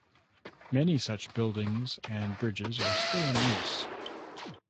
Many such buildings and bridges are still in use.